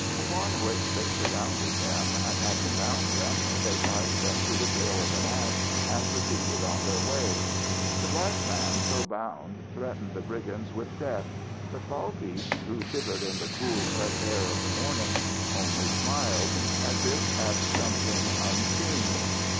Upon which they surrounded them, and having bound them they tied them to the tail of an ass and proceeded on their way. The black man so bound threatened the brigands with death. But Balkis, who shivered in the cool, fresh air of the morning, only smiled, as if at something unseen.